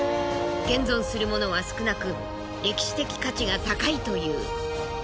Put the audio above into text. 現存するものは少なく歴史的価値が高いという。